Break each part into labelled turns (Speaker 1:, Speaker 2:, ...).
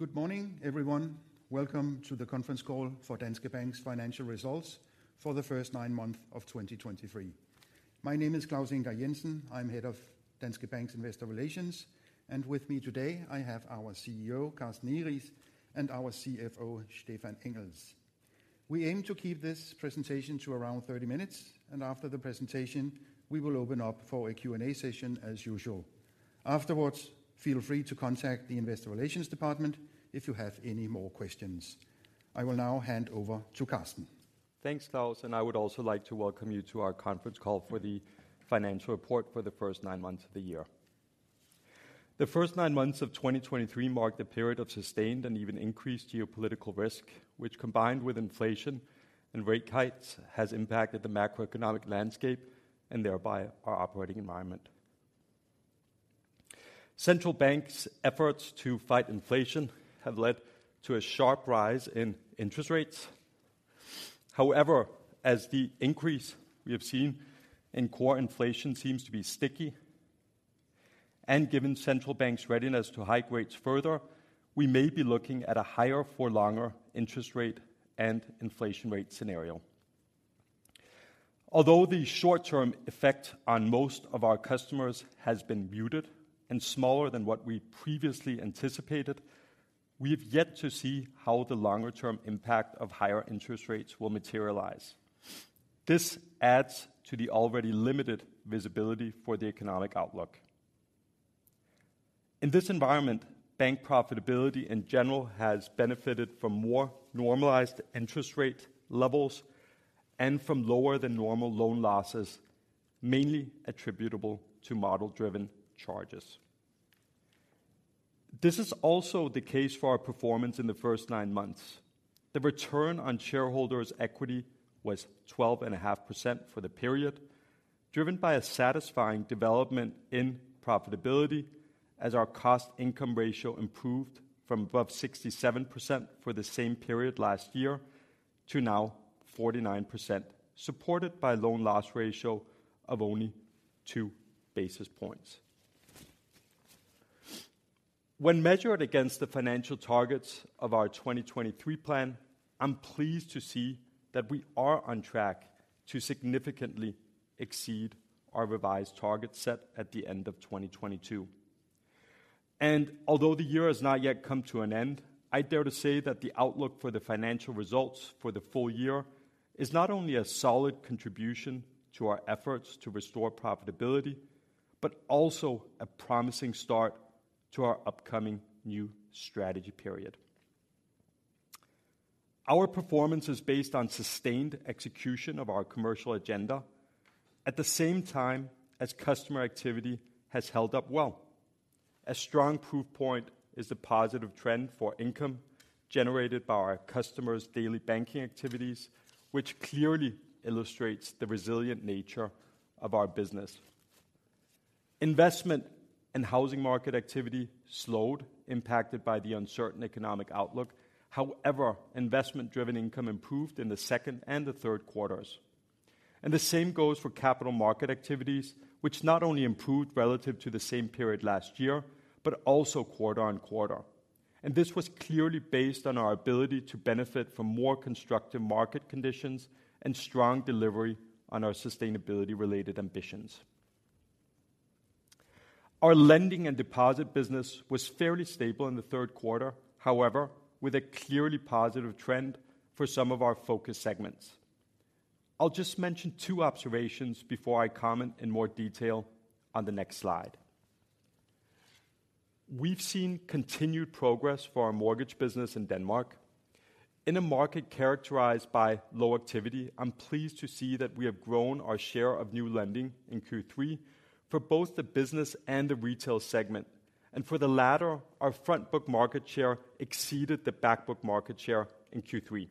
Speaker 1: Good morning, everyone. Welcome to the conference call for Danske Bank's financial results for the first nine months of 2023. My name is Claus Ingar Jensen. I'm Head of Danske Bank's Investor Relations, and with me today, I have our CEO, Carsten Egeriis, and our CFO, Stephan Engels. We aim to keep this presentation to around 30 minutes, and after the presentation, we will open up for a Q&A session as usual. Afterwards, feel free to contact the Investor Relations department if you have any more questions. I will now hand over to Carsten.
Speaker 2: Thanks, Claus, and I would also like to welcome you to our conference call for the financial report for the first nine months of the year. The first nine months of 2023 marked a period of sustained and even increased geopolitical risk, which, combined with inflation and rate hikes, has impacted the macroeconomic landscape and thereby our operating environment. Central banks' efforts to fight inflation have led to a sharp rise in interest rates. However, as the increase we have seen in core inflation seems to be sticky, and given central banks' readiness to hike rates further, we may be looking at a higher-for-longer interest rate and inflation rate scenario. Although the short-term effect on most of our customers has been muted and smaller than what we previously anticipated, we've yet to see how the longer-term impact of higher interest rates will materialize. This adds to the already limited visibility for the economic outlook. In this environment, bank profitability in general has benefited from more normalized interest rate levels and from lower than normal loan losses, mainly attributable to model-driven charges. This is also the case for our performance in the first nine months. The return on shareholders' equity was 12.5% for the period, driven by a satisfying development in profitability as our cost-income ratio improved from above 67% for the same period last year to now 49%, supported by a loan loss ratio of only 2 basis points. When measured against the financial targets of our 2023 plan, I'm pleased to see that we are on track to significantly exceed our revised target set at the end of 2022. Although the year has not yet come to an end, I dare to say that the outlook for the financial results for the full year is not only a solid contribution to our efforts to restore profitability, but also a promising start to our upcoming new strategy period. Our performance is based on sustained execution of our commercial agenda, at the same time as customer activity has held up well. A strong proof point is the positive trend for income generated by our customers' daily banking activities, which clearly illustrates the resilient nature of our business. Investment and housing market activity slowed, impacted by the uncertain economic outlook. However, investment-driven income improved in the second and the third quarters. The same goes for capital market activities, which not only improved relative to the same period last year, but also quarter-on-quarter. This was clearly based on our ability to benefit from more constructive market conditions and strong delivery on our sustainability-related ambitions. Our lending and deposit business was fairly stable in the third quarter, however, with a clearly positive trend for some of our focus segments. I'll just mention two observations before I comment in more detail on the next slide. We've seen continued progress for our mortgage business in Denmark. In a market characterized by low activity, I'm pleased to see that we have grown our share of new lending in Q3 for both the business and the retail segment, and for the latter, our front book market share exceeded the back book market share in Q3.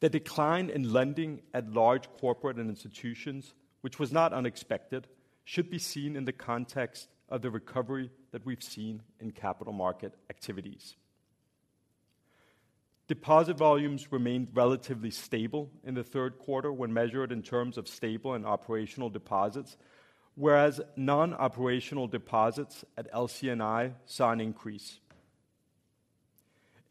Speaker 2: The decline in lending at large corporate and institutions, which was not unexpected, should be seen in the context of the recovery that we've seen in capital market activities. Deposit volumes remained relatively stable in the third quarter when measured in terms of stable and operational deposits, whereas non-operational deposits at LC&I saw an increase.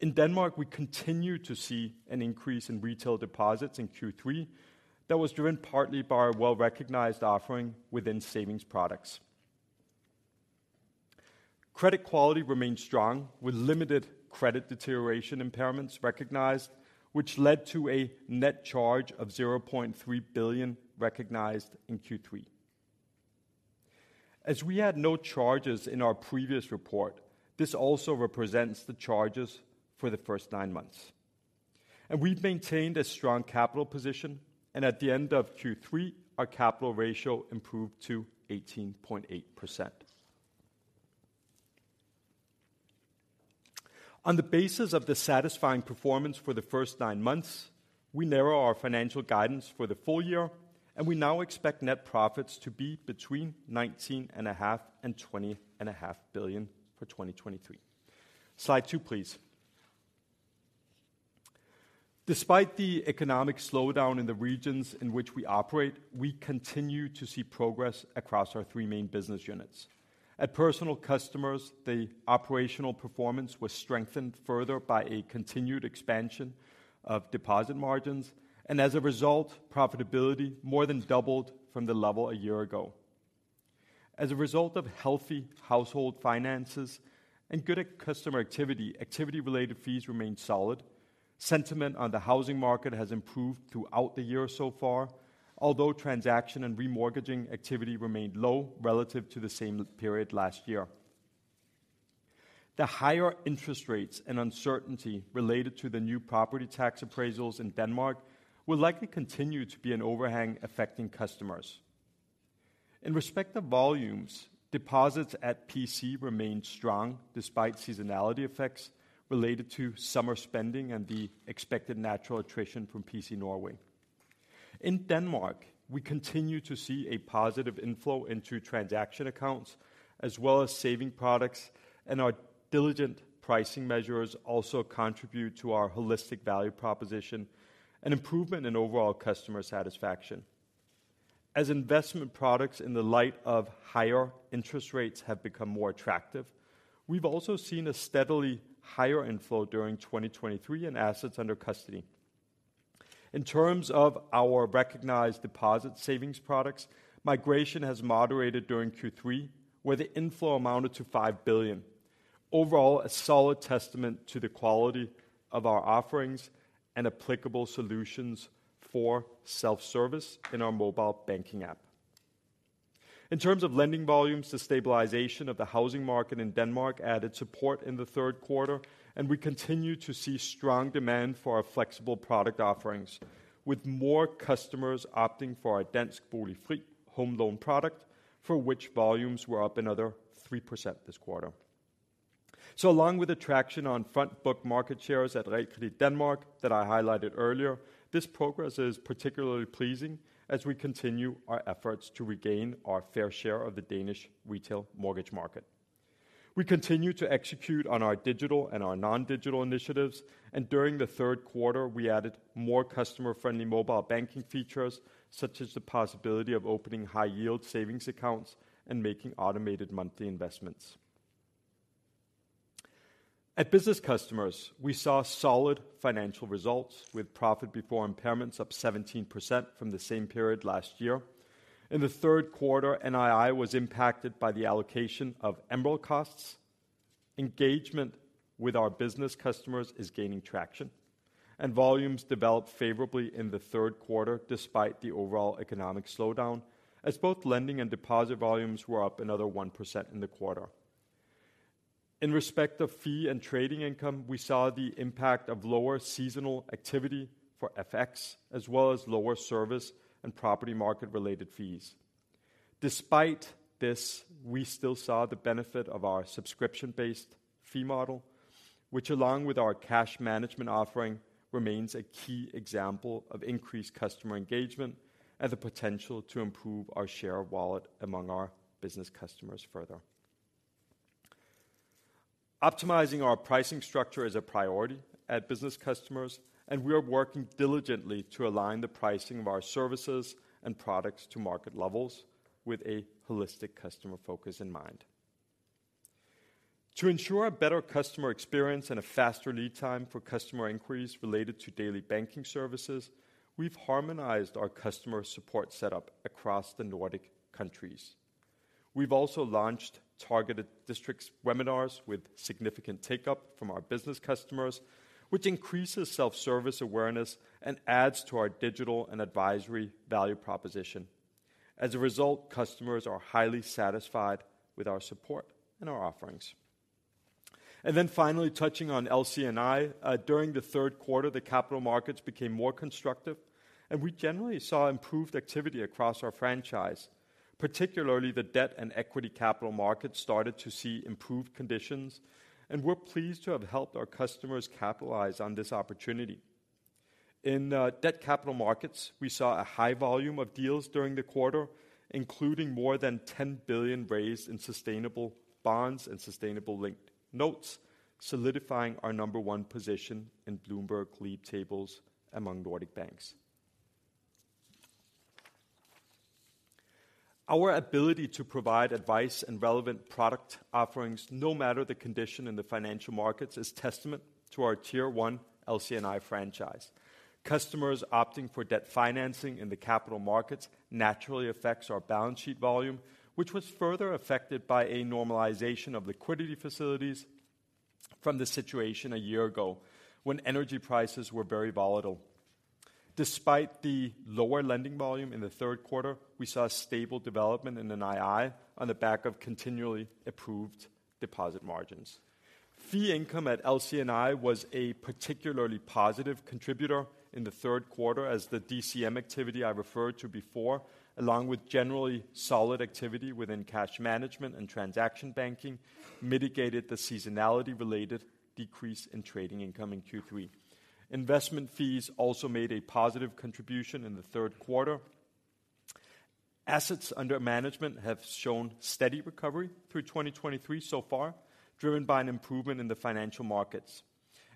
Speaker 2: In Denmark, we continued to see an increase in retail deposits in Q3 that was driven partly by our well-recognized offering within savings products. Credit quality remained strong, with limited credit deterioration impairments recognized, which led to a net charge of 0.3 billion recognized in Q3. As we had no charges in our previous report, this also represents the charges for the first nine months. We've maintained a strong capital position, and at the end of Q3, our capital ratio improved to 18.8%. On the basis of the satisfying performance for the first nine months, we narrow our financial guidance for the full year, and we now expect net profits to be between 19.5 billion and 20.5 billion for 2023. Slide 2, please. Despite the economic slowdown in the regions in which we operate, we continue to see progress across our three main business units. At Personal Customers, the operational performance was strengthened further by a continued expansion of deposit margins, and as a result, profitability more than doubled from the level a year ago. As a result of healthy household finances and good customer activity, activity-related fees remained solid. Sentiment on the housing market has improved throughout the year so far, although transaction and remortgaging activity remained low relative to the same period last year. The higher interest rates and uncertainty related to the new property tax appraisals in Denmark will likely continue to be an overhang affecting customers. In respect to volumes, deposits at PC remained strong despite seasonality effects related to summer spending and the expected natural attrition from PC Norway. In Denmark, we continue to see a positive inflow into transaction accounts, as well as saving products, and our diligent pricing measures also contribute to our holistic value proposition and improvement in overall customer satisfaction. As investment products in the light of higher interest rates have become more attractive, we've also seen a steadily higher inflow during 2023 in assets under custody. In terms of our recognized deposit savings products, migration has moderated during Q3, where the inflow amounted to 5 billion. Overall, a solid testament to the quality of our offerings and applicable solutions for self-service in our mobile banking app. In terms of lending volumes, the stabilization of the housing market in Denmark added support in the third quarter, and we continue to see strong demand for our flexible product offerings, with more customers opting for our Danske Bolig Fri home loan product, for which volumes were up another 3% this quarter. Along with the traction on front book market shares at Realkredit Danmark that I highlighted earlier, this progress is particularly pleasing as we continue our efforts to regain our fair share of the Danish retail mortgage market. We continue to execute on our digital and our non-digital initiatives, and during the third quarter, we added more customer-friendly mobile banking features, such as the possibility of opening high-yield savings accounts and making automated monthly investments. At Business Customers, we saw solid financial results, with profit before impairments up 17% from the same period last year. In the third quarter, NII was impacted by the allocation of MREL costs. Engagement with our business customers is gaining traction, and volumes developed favorably in the third quarter, despite the overall economic slowdown, as both lending and deposit volumes were up another 1% in the quarter. In respect to fee and trading income, we saw the impact of lower seasonal activity for FX, as well as lower service and property market-related fees. Despite this, we still saw the benefit of our subscription-based fee model, which, along with our cash management offering, remains a key example of increased customer engagement and the potential to improve our share of wallet among our business customers further. Optimizing our pricing structure is a priority at Business Customers, and we are working diligently to align the pricing of our services and products to market levels with a holistic customer focus in mind. To ensure a better customer experience and a faster lead time for customer inquiries related to daily banking services, we've harmonized our customer support setup across the Nordic countries. We've also launched targeted District webinars with significant take-up from our business customers, which increases self-service awareness and adds to our digital and advisory value proposition. As a result, customers are highly satisfied with our support and our offerings. And then finally, touching on LC&I, during the third quarter, the capital markets became more constructive, and we generally saw improved activity across our franchise. Particularly, the debt and equity capital markets started to see improved conditions, and we're pleased to have helped our customers capitalize on this opportunity. In debt capital markets, we saw a high volume of deals during the quarter, including more than 10 billion raised in sustainable bonds and sustainability-linked notes, solidifying our number one position in Bloomberg league tables among Nordic banks. Our ability to provide advice and relevant product offerings, no matter the condition in the financial markets, is testament to our Tier one LC&I franchise. Customers opting for debt financing in the capital markets naturally affects our balance sheet volume, which was further affected by a normalization of liquidity facilities from the situation a year ago, when energy prices were very volatile. Despite the lower lending volume in the third quarter, we saw a stable development in NII on the back of continually approved deposit margins. Fee income at LC&I was a particularly positive contributor in the third quarter, as the DCM activity I referred to before, along with generally solid activity within cash management and transaction banking, mitigated the seasonality-related decrease in trading income in Q3. Investment fees also made a positive contribution in the third quarter.... Assets under management have shown steady recovery through 2023 so far, driven by an improvement in the financial markets.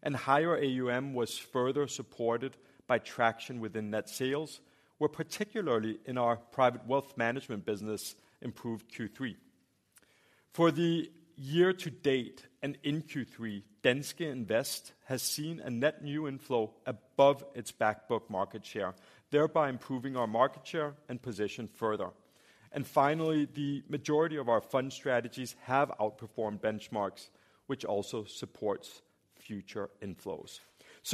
Speaker 2: Higher AUM was further supported by traction within net sales, where particularly in our private wealth management business, improved Q3. For the year to date and in Q3, Danske Invest has seen a net new inflow above its back book market share, thereby improving our market share and position further. Finally, the majority of our fund strategies have outperformed benchmarks, which also supports future inflows.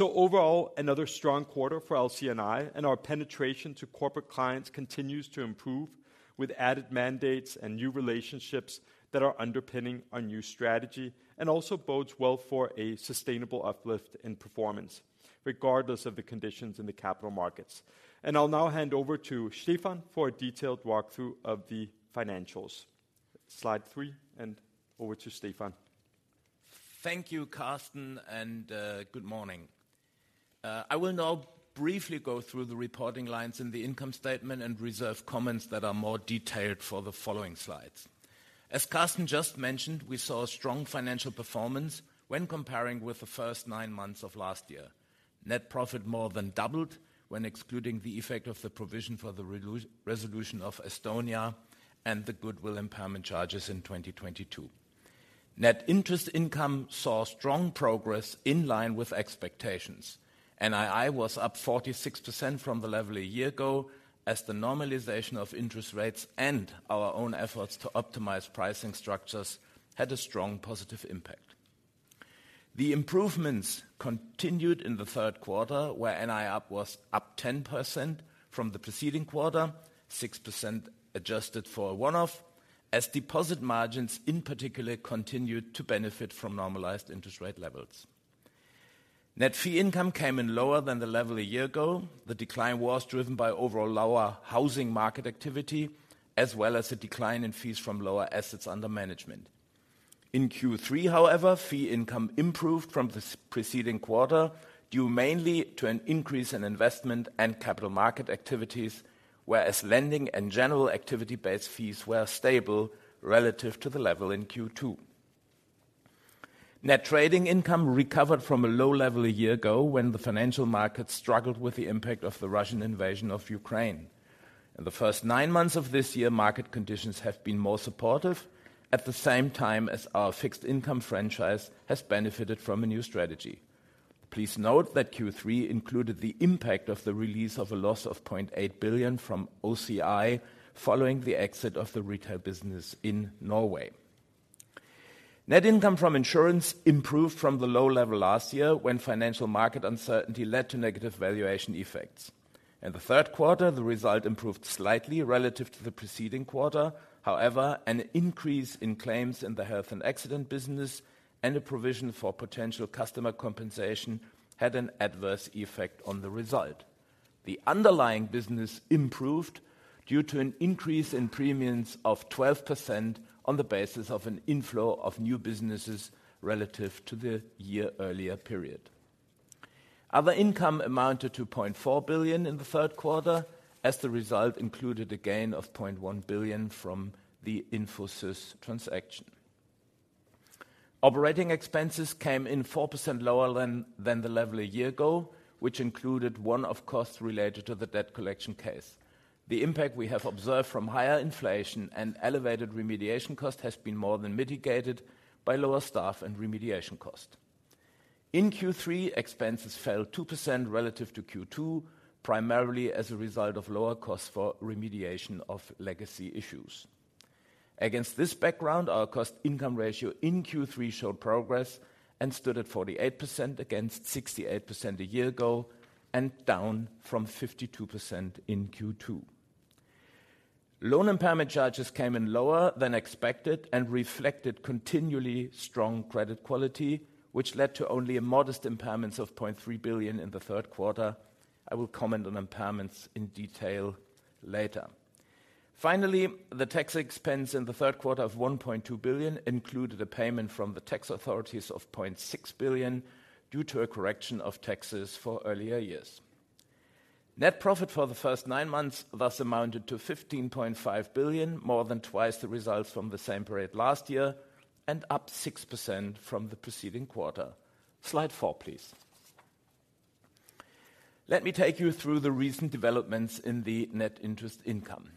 Speaker 2: Overall, another strong quarter for LC&I, and our penetration to corporate clients continues to improve with added mandates and new relationships that are underpinning our new strategy, and also bodes well for a sustainable uplift in performance, regardless of the conditions in the capital markets. I'll now hand over to Stephan for a detailed walkthrough of the financials. Slide 3, over to Stephan.
Speaker 3: Thank you, Carsten, and good morning. I will now briefly go through the reporting lines in the income statement and reserve comments that are more detailed for the following slides. As Carsten just mentioned, we saw a strong financial performance when comparing with the first nine months of last year. Net profit more than doubled when excluding the effect of the provision for the resolution of Estonia and the goodwill impairment charges in 2022. Net interest income saw strong progress in line with expectations. NII was up 46% from the level a year ago, as the normalization of interest rates and our own efforts to optimize pricing structures had a strong positive impact. The improvements continued in the third quarter, where NII was up 10% from the preceding quarter, 6% adjusted for a one-off, as deposit margins in particular continued to benefit from normalized interest rate levels. Net fee income came in lower than the level a year ago. The decline was driven by overall lower housing market activity, as well as a decline in fees from lower assets under management. In Q3 however, fee income improved from the preceding quarter, due mainly to an increase in investment and capital market activities, whereas lending and general activity-based fees were stable relative to the level in Q2. Net trading income recovered from a low level a year ago when the financial market struggled with the impact of the Russian invasion of Ukraine. In the first 9 months of this year, market conditions have been more supportive, at the same time as our fixed income franchise has benefited from a new strategy. Please note that Q3 included the impact of the release of a loss of 0.8 billion from OCI, following the exit of the retail business in Norway. Net income from insurance improved from the low level last year when financial market uncertainty led to negative valuation effects. In the third quarter, the result improved slightly relative to the preceding quarter. However, an increase in claims in the health and accident business and a provision for potential customer compensation had an adverse effect on the result. The underlying business improved due to an increase in premiums of 12% on the basis of an inflow of new businesses relative to the year earlier period. Other income amounted to 0.4 billion in the third quarter, as the result included a gain of 0.1 billion from the Infosys transaction. Operating expenses came in 4% lower than the level a year ago, which included one-off costs related to the debt collection case. The impact we have observed from higher inflation and elevated remediation cost has been more than mitigated by lower staff and remediation cost. In Q3, expenses fell 2% relative to Q2, primarily as a result of lower costs for remediation of legacy issues. Against this background, our cost income ratio in Q3 showed progress and stood at 48%, against 68% a year ago, and down from 52% in Q2. Loan impairment charges came in lower than expected and reflected continually strong credit quality, which led to only a modest impairments of 0.3 billion in the third quarter. I will comment on impairments in detail later. Finally, the tax expense in the third quarter of 1.2 billion included a payment from the tax authorities of 0.6 billion, due to a correction of taxes for earlier years. Net profit for the first nine months, thus amounted to 15.5 billion, more than twice the results from the same period last year, and up 6% from the preceding quarter. Slide four, please. Let me take you through the recent developments in the net interest income.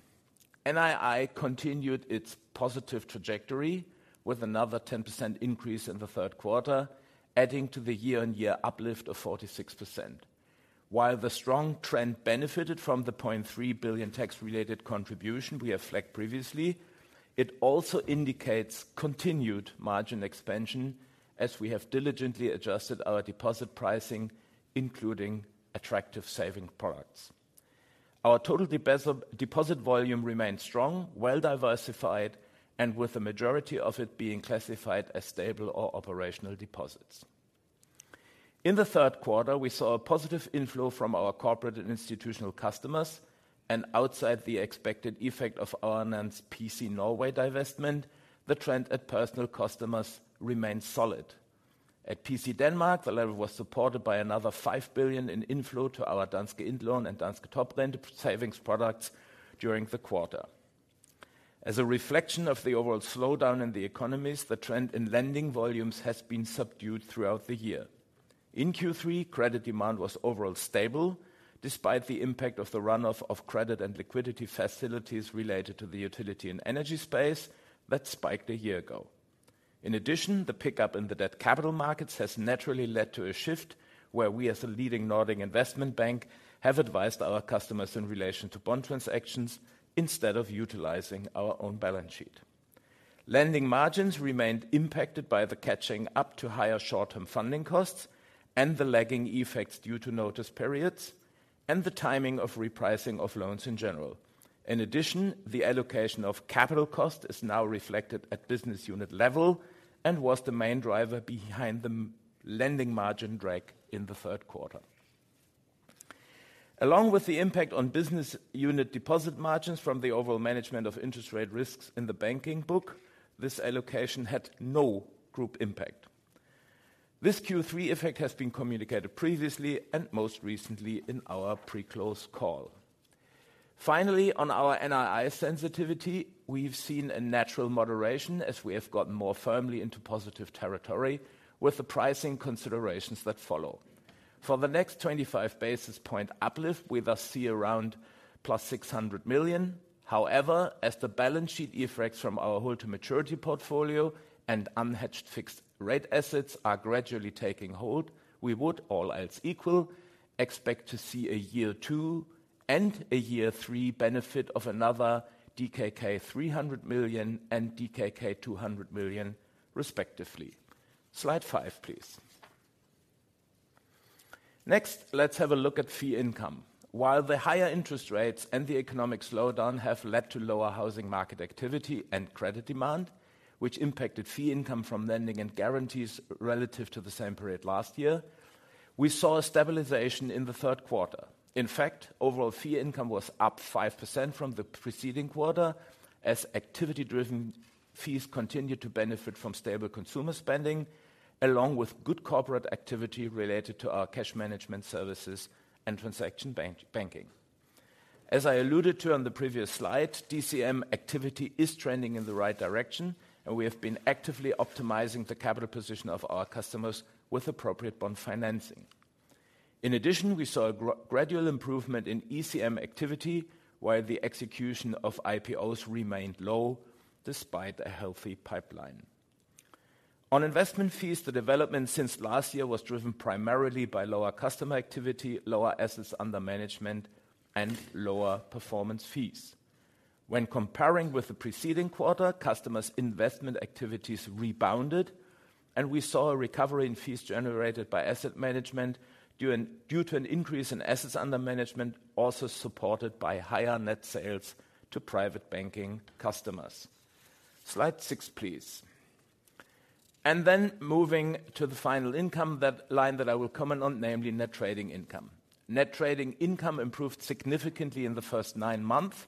Speaker 3: NII continued its positive trajectory with another 10% increase in the third quarter, adding to the year-on-year uplift of 46%. While the strong trend benefited from the 0.3 billion tax-related contribution we have flagged previously, it also indicates continued margin expansion as we have diligently adjusted our deposit pricing, including attractive saving products. Our total deposit volume remains strong, well-diversified, and with the majority of it being classified as stable or operational deposits. In the third quarter, we saw a positive inflow from our corporate and institutional customers, and outside the expected effect of our announced PC Norway divestment, the trend at personal customers remains solid. At PC Denmark, the level was supported by another 5 billion in inflow to our Danske Indlån and Danske Top Rente savings products during the quarter. As a reflection of the overall slowdown in the economies, the trend in lending volumes has been subdued throughout the year. In Q3, credit demand was overall stable, despite the impact of the run-off of credit and liquidity facilities related to the utility and energy space that spiked a year ago. In addition, the pickup in the debt capital markets has naturally led to a shift where we, as a leading Nordic investment bank, have advised our customers in relation to bond transactions instead of utilizing our own balance sheet. Lending margins remained impacted by the catching up to higher short-term funding costs and the lagging effects due to notice periods and the timing of repricing of loans in general. In addition, the allocation of capital cost is now reflected at business unit level and was the main driver behind the lending margin drag in the third quarter. Along with the impact on business unit deposit margins from the overall management of interest rate risks in the banking book, this allocation had no group impact. This Q3 effect has been communicated previously and most recently in our pre-close call. Finally, on our NII sensitivity, we've seen a natural moderation as we have gotten more firmly into positive territory with the pricing considerations that follow. For the next 25 basis point uplift, we thus see around +600 million. However, as the balance sheet effects from our hold-to-maturity portfolio and unhedged fixed rate assets are gradually taking hold, we would, all else equal, expect to see a year 2 and a year 3 benefit of another DKK 300 million and DKK 200 million respectively. Slide 5, please. Next, let's have a look at fee income. While the higher interest rates and the economic slowdown have led to lower housing market activity and credit demand, which impacted fee income from lending and guarantees relative to the same period last year, we saw a stabilization in the third quarter. In fact, overall fee income was up 5% from the preceding quarter, as activity-driven fees continued to benefit from stable consumer spending, along with good corporate activity related to our cash management services and transaction banking. As I alluded to on the previous slide, DCM activity is trending in the right direction, and we have been actively optimizing the capital position of our customers with appropriate bond financing. In addition, we saw a gradual improvement in ECM activity, while the execution of IPOs remained low despite a healthy pipeline. On investment fees, the development since last year was driven primarily by lower customer activity, lower assets under management, and lower performance fees. When comparing with the preceding quarter, customers' investment activities rebounded, and we saw a recovery in fees generated by asset management due to an increase in assets under management, also supported by higher net sales to private banking customers. Slide 6, please. Then moving to the final income, that line that I will comment on, namely net trading income. Net trading income improved significantly in the first nine months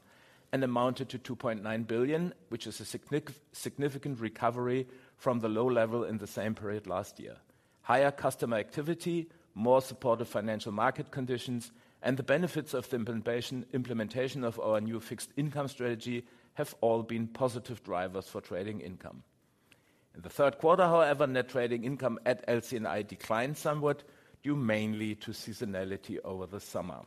Speaker 3: and amounted to 2.9 billion, which is a significant recovery from the low level in the same period last year. Higher customer activity, more supportive financial market conditions, and the benefits of the implementation of our new fixed income strategy have all been positive drivers for trading income. In the third quarter, however, net trading income at LC&I declined somewhat, due mainly to seasonality over the summer.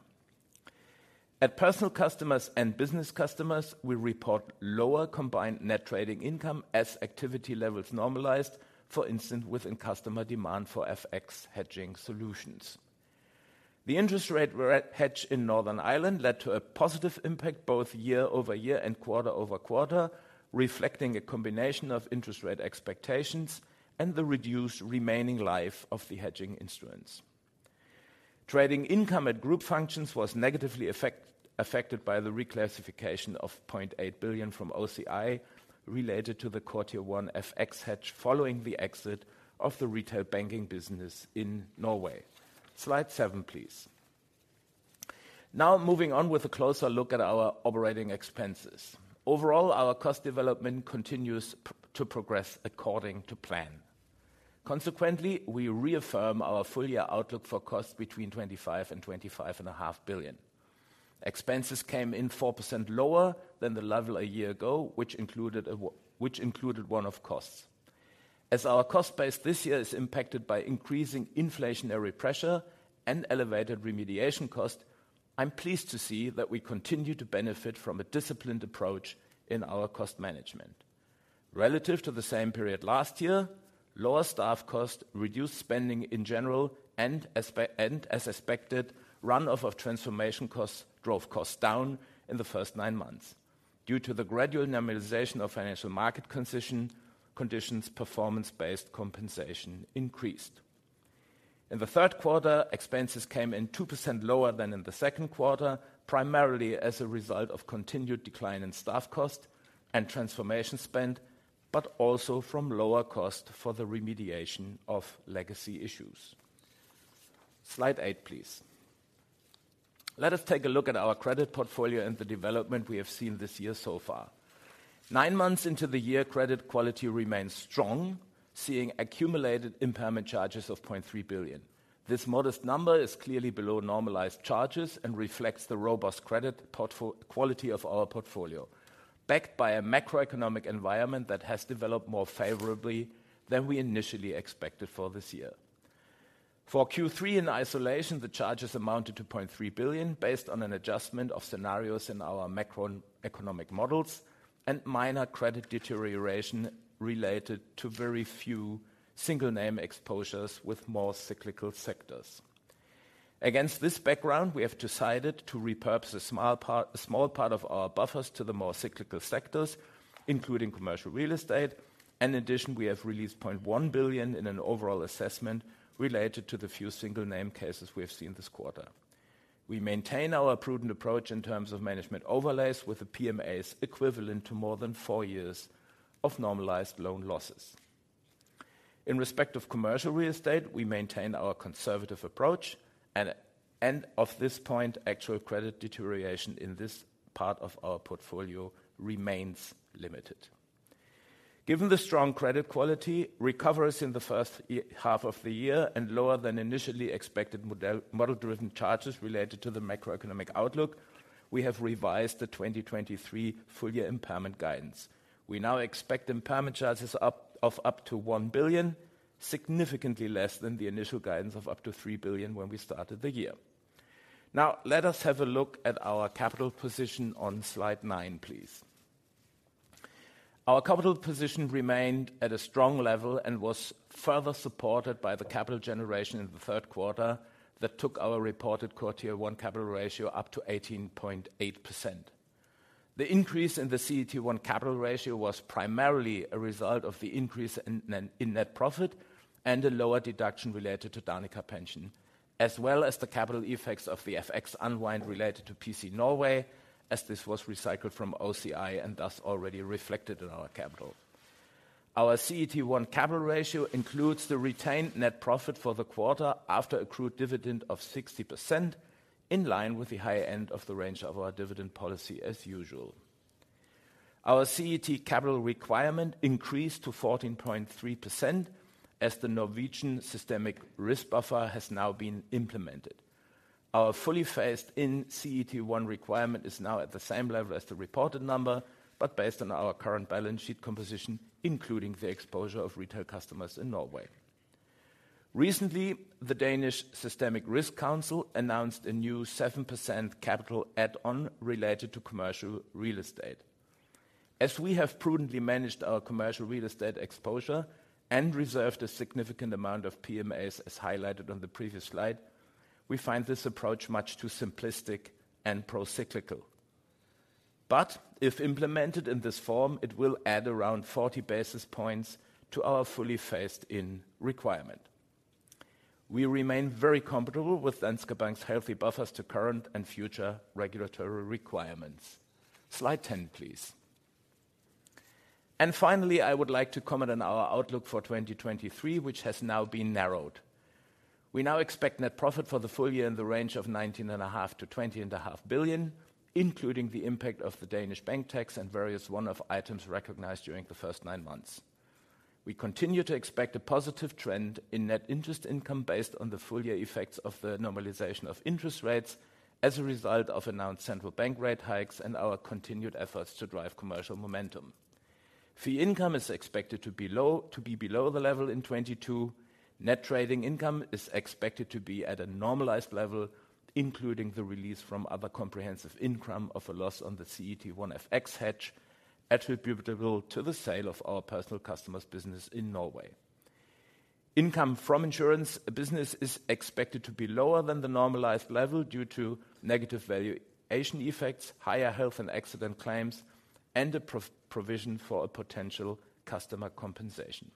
Speaker 3: At personal customers and business customers, we report lower combined net trading income as activity levels normalized, for instance, within customer demand for FX hedging solutions. The interest rate re-hedge in Northern Ireland led to a positive impact both year-over-year and quarter-over-quarter, reflecting a combination of interest rate expectations and the reduced remaining life of the hedging instruments. Trading income at group functions was negatively affected by the reclassification of 0.8 billion from OCI related to the quarter one FX hedge, following the exit of the retail banking business in Norway. Slide seven, please. Now, moving on with a closer look at our operating expenses. Overall, our cost development continues to progress according to plan. Consequently, we reaffirm our full-year outlook for costs between 25 billion and 25.5 billion. Expenses came in 4% lower than the level a year ago, which included one-off costs. As our cost base this year is impacted by increasing inflationary pressure and elevated remediation costs, I'm pleased to see that we continue to benefit from a disciplined approach in our cost management. Relative to the same period last year, lower staff costs, reduced spending in general, and as expected, run-off of transformation costs drove costs down in the first nine months. Due to the gradual normalization of financial market conditions, performance-based compensation increased. In the third quarter, expenses came in 2% lower than in the second quarter, primarily as a result of continued decline in staff cost and transformation spend, but also from lower cost for the remediation of legacy issues. Slide 8, please. Let us take a look at our credit portfolio and the development we have seen this year so far. 9 months into the year, credit quality remains strong, seeing accumulated impairment charges of 0.3 billion. This modest number is clearly below normalized charges and reflects the robust credit quality of our portfolio, backed by a macroeconomic environment that has developed more favorably than we initially expected for this year. For Q3 in isolation, the charges amounted to 0.3 billion, based on an adjustment of scenarios in our macroeconomic models and minor credit deterioration related to very few single name exposures with more cyclical sectors. Against this background, we have decided to repurpose a small part, a small part of our buffers to the more cyclical sectors, including commercial real estate. In addition, we have released 0.1 billion in an overall assessment related to the few single name cases we have seen this quarter. We maintain our prudent approach in terms of management overlays with the PMAs equivalent to more than four years of normalized loan losses. In respect of commercial real estate, we maintain our conservative approach, and of this point, actual credit deterioration in this part of our portfolio remains limited. Given the strong credit quality, recoveries in the first half of the year, and lower than initially expected model-driven charges related to the macroeconomic outlook, we have revised the 2023 full year impairment guidance. We now expect impairment charges of up to 1 billion, significantly less than the initial guidance of up to 3 billion when we started the year. Now, let us have a look at our capital position on slide 9, please. Our capital position remained at a strong level and was further supported by the capital generation in the third quarter, that took our reported CET1 capital ratio up to 18.8%. The increase in the CET1 capital ratio was primarily a result of the increase in net profit and a lower deduction related to Danica Pension, as well as the capital effects of the FX unwind related to PC Norway, as this was recycled from OCI and thus already reflected in our capital. Our CET1 capital ratio includes the retained net profit for the quarter after accrued dividend of 60%, in line with the high end of the range of our dividend policy as usual. Our CET1 capital requirement increased to 14.3% as the Norwegian Systemic Risk Buffer has now been implemented. Our fully phased-in CET1 requirement is now at the same level as the reported number, but based on our current balance sheet composition, including the exposure of retail customers in Norway. Recently, the Danish Systemic Risk Council announced a new 7% capital add-on related to commercial real estate. As we have prudently managed our commercial real estate exposure and reserved a significant amount of PMAs, as highlighted on the previous slide, we find this approach much too simplistic and procyclical. But if implemented in this form, it will add around 40 basis points to our fully phased-in requirement. We remain very comfortable with Danske Bank's healthy buffers to current and future regulatory requirements. Slide 10, please. Finally, I would like to comment on our outlook for 2023, which has now been narrowed. We now expect net profit for the full year in the range of 19.5 billion-20.5 billion, including the impact of the Danish bank tax and various one-off items recognized during the first 9 months. We continue to expect a positive trend in net interest income based on the full year effects of the normalization of interest rates as a result of announced central bank rate hikes and our continued efforts to drive commercial momentum. Fee income is expected to be low, to be below the level in 2022. Net trading income is expected to be at a normalized level, including the release from other comprehensive income of a loss on the CET1 FX hedge, attributable to the sale of our personal customers' business in Norway. Income from insurance business is expected to be lower than the normalized level due to negative valuation effects, higher health and accident claims, and a provision for a potential customer compensation.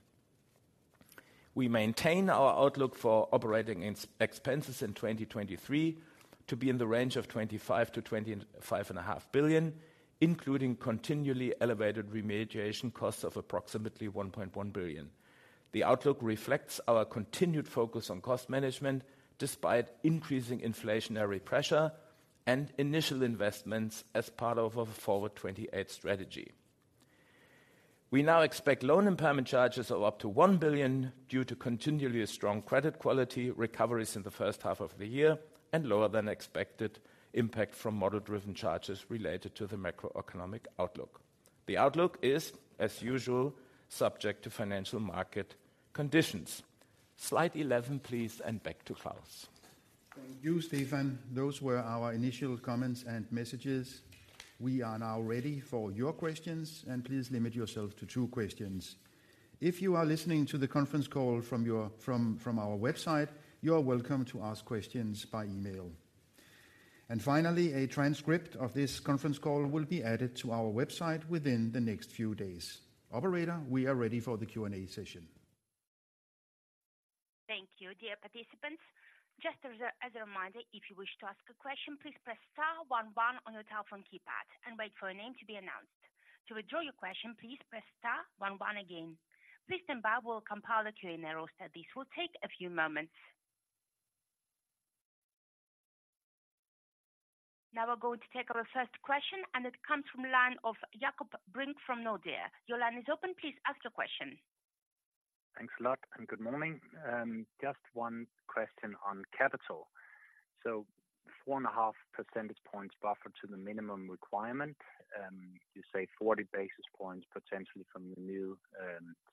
Speaker 3: We maintain our outlook for operating expenses in 2023 to be in the range of 25 billion-25.5 billion, including continually elevated remediation costs of approximately 1.1 billion. The outlook reflects our continued focus on cost management, despite increasing inflationary pressure and initial investments as part of our Forward 2028 strategy. We now expect loan impairment charges of up to 1 billion due to continually strong credit quality recoveries in the first half of the year and lower than expected impact from model-driven charges related to the macroeconomic outlook. The outlook is, as usual, subject to financial market conditions. Slide 11, please, and back to Claus.
Speaker 1: Thank you, Stephan. Those were our initial comments and messages. We are now ready for your questions, and please limit yourself to two questions. If you are listening to the conference call from our website, you are welcome to ask questions by email. And finally, a transcript of this conference call will be added to our website within the next few days. Operator, we are ready for the Q&A session.
Speaker 4: Thank you, dear participants. Just as a reminder, if you wish to ask a question, please press *- ...one, one on your telephone keypad and wait for your name to be announced. To withdraw your question, please press * one one again. Please stand by, we'll compile the queue in the roster. This will take a few moments. Now we're going to take our first question, and it comes from line of Jakob Brink from Nordea. Your line is open. Please ask your question.
Speaker 5: Thanks a lot, and good morning. Just one question on capital. So 4.5 percentage points buffer to the minimum requirement. You say 40 basis points potentially from the new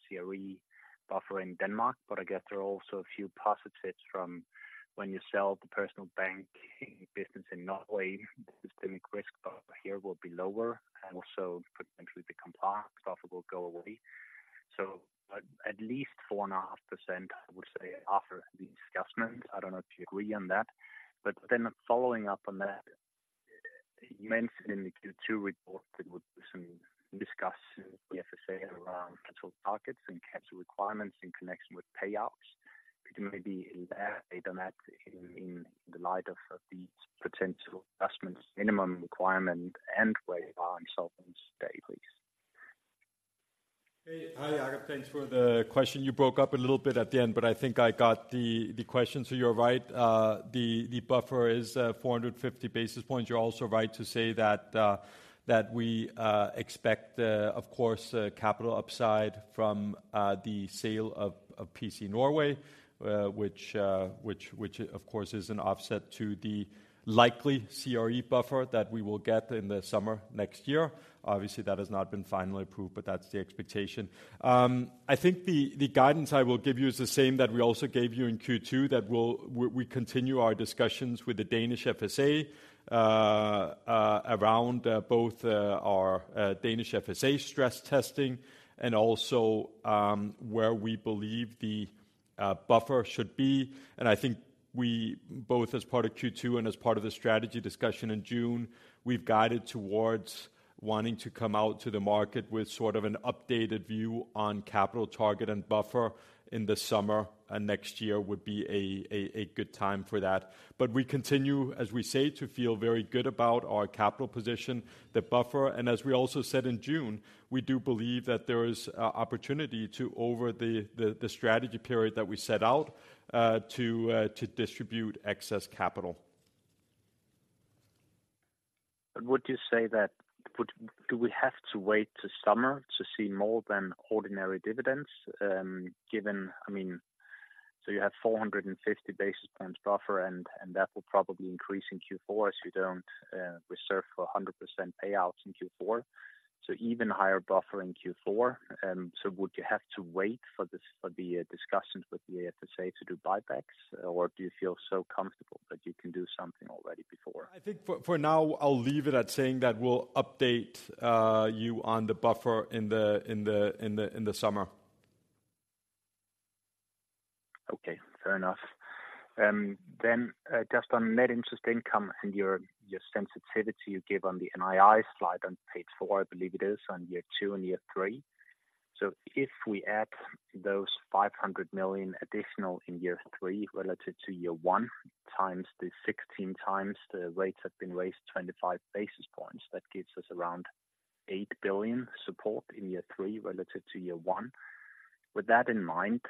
Speaker 5: CRE buffer in Denmark, but I guess there are also a few positives from when you sell the personal banking business in Norway. The systemic risk buffer here will be lower and also potentially the compliance buffer will go away. So at least 4.5%, I would say, after the adjustments. I don't know if you agree on that. But then following up on that, you mentioned in the Q2 report that there would be some discussions with the FSA around capital targets and capital requirements in connection with payouts. Could you maybe elaborate on that in the light of the potential adjustments, minimum requirement, and where our insolvents stay, please?
Speaker 2: Hey. Hi, Jakob. Thanks for the question. You broke up a little bit at the end, but I think I got the question. So you're right, the buffer is 450 basis points. You're also right to say that we expect, of course, a capital upside from the sale of PC Norway, which of course is an offset to the likely CRE buffer that we will get in the summer next year. Obviously, that has not been finally approved, but that's the expectation. I think the guidance I will give you is the same that we also gave you in Q2, that we'll continue our discussions with the Danish FSA around both our Danish FSA stress testing and also where we believe the buffer should be. And I think we both as part of Q2 and as part of the strategy discussion in June, we've guided towards wanting to come out to the market with sort of an updated view on capital target and buffer in the summer, and next year would be a good time for that. But we continue, as we say, to feel very good about our capital position, the buffer, and as we also said in June, we do believe that there is a opportunity to, over the strategy period that we set out, to distribute excess capital.
Speaker 5: But would you say that... Would we have to wait until summer to see more than ordinary dividends? Given, I mean, so you have 450 basis points buffer, and, and that will probably increase in Q4 as you don't reserve for 100% payouts in Q4. So even higher buffer in Q4. So would you have to wait for this, for the discussions with the FSA to do buybacks, or do you feel so comfortable that you can do something already before?
Speaker 2: I think for now, I'll leave it at saying that we'll update you on the buffer in the summer.
Speaker 5: Okay, fair enough. Then, just on net interest income and your, your sensitivity you give on the NII slide on page 4, I believe it is, on year two and year three. So if we add those 500 million additional in year three relative to year one, times the 16 times the rates have been raised 25 basis points, that gives us around 8 billion support in year three relative to year one. With that in mind,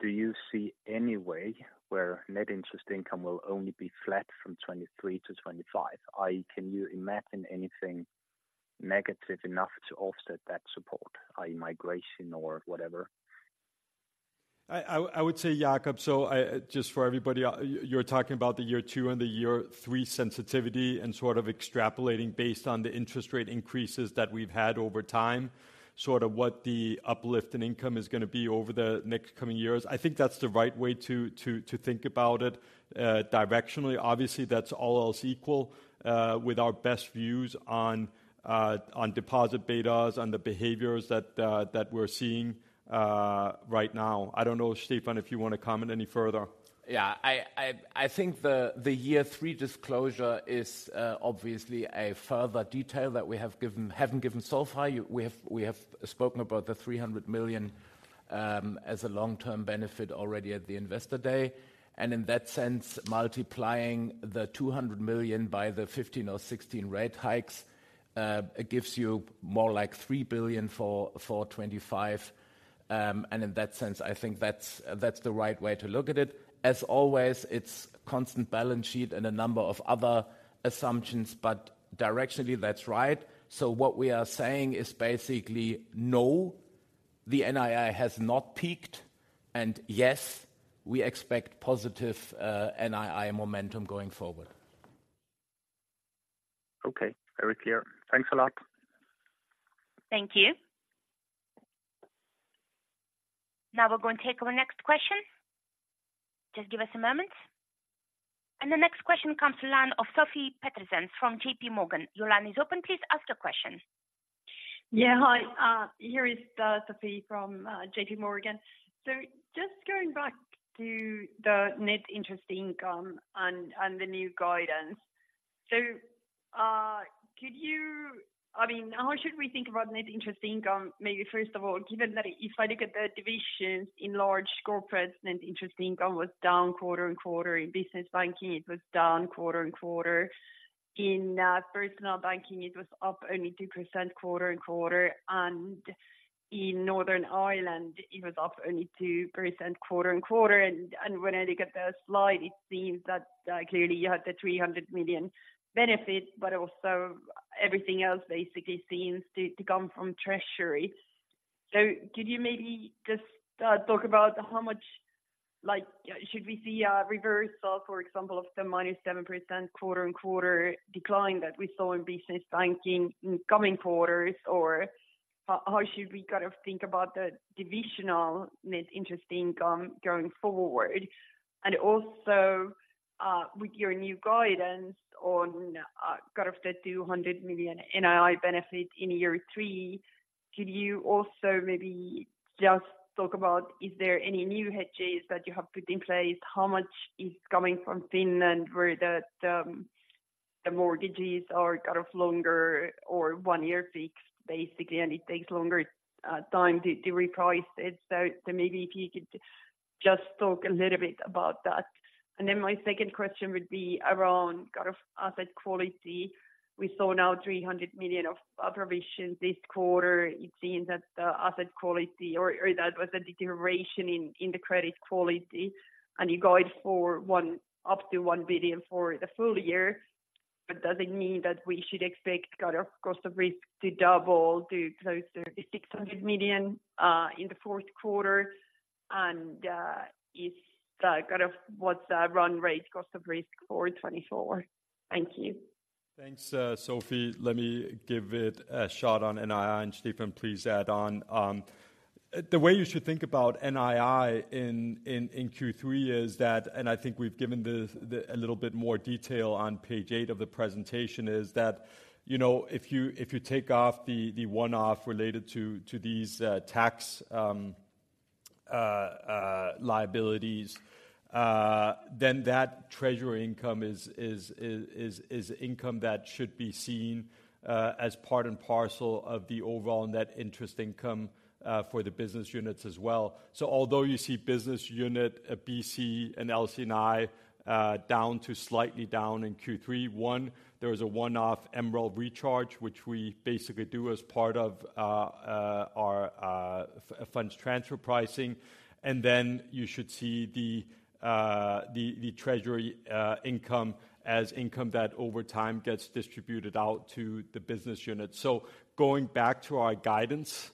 Speaker 5: do you see any way where net interest income will only be flat from 2023 to 2025? Or can you imagine anything negative enough to offset that support, i.e., migration or whatever?
Speaker 2: I would say, Jakob. So just for everybody, you're talking about the year two and the year three sensitivity and sort of extrapolating based on the interest rate increases that we've had over time, sort of what the uplift in income is gonna be over the next coming years. I think that's the right way to think about it directionally. Obviously, that's all else equal, with our best views on deposit betas, on the behaviors that we're seeing right now. I don't know, Stefan, if you want to comment any further.
Speaker 3: Yeah, I think the year three disclosure is obviously a further detail that we have given, haven't given so far. We have spoken about the 300 million as a long-term benefit already at the Investor Day. And in that sense, multiplying the 200 million by the 15 or 16 rate hikes, it gives you more like 3 billion for 2025. And in that sense, I think that's the right way to look at it. As always, it's constant balance sheet and a number of other assumptions, but directionally, that's right. So what we are saying is basically, no, the NII has not peaked, and yes, we expect positive NII momentum going forward.
Speaker 5: Okay. Very clear. Thanks a lot.
Speaker 4: Thank you. Now we're going to take our next question. Just give us a moment. The next question comes to line of Sofie Peterzens from J.P. Morgan. Your line is open. Please ask your question.
Speaker 6: Yeah, hi. Here is Sophie from J.P. Morgan. So just going back to the net interest income and, and the new guidance. So-... I mean, how should we think about net interest income? Maybe first of all, given that if I look at the divisions in large corporates, net interest income was down quarter-over-quarter. In business banking, it was down quarter-over-quarter. In personal banking, it was up only 2% quarter-over-quarter, and in Northern Ireland, it was up only 2% quarter-over-quarter. And when I look at the slide, it seems that clearly you had the 300 million benefit, but also everything else basically seems to come from treasury. So could you maybe just talk about how much like should we see a reversal, for example, of the -7% quarter-over-quarter decline that we saw in business banking in coming quarters? Or how should we kind of think about the divisional net interest income going forward? And also, with your new guidance on kind of the 200 million NII benefit in year three, could you also maybe just talk about, is there any new hedges that you have put in place? How much is coming from Finland, where the mortgages are kind of longer or 1-year fixed, basically, and it takes longer time to reprice it. So maybe if you could just talk a little bit about that. And then my second question would be around kind of asset quality. We saw now 300 million of provision this quarter. It seems that the asset quality or that was a deterioration in the credit quality, and you guide for one up to 1 billion for the full year. Does it mean that we should expect kind of cost of risk to double to close to 600 million in the fourth quarter? Is the kind of-- what's the run rate cost of risk for 2024? Thank you.
Speaker 2: Thanks, Sofie. Let me give it a shot on NII, and Stephan, please add on. The way you should think about NII in Q3 is that... I think we've given a little bit more detail on page 8 of the presentation, you know, if you take off the one-off related to these tax liabilities, then that treasury income is income that should be seen as part and parcel of the overall net interest income for the business units as well. So although you see business unit BC and LC&I down, too, slightly down in Q3, one, there was a one-off MREL recharge, which we basically do as part of our funds transfer pricing. Then you should see the treasury income as income that over time gets distributed out to the business unit. So going back to our guidance